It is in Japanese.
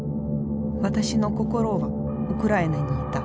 私の心はウクライナにいた。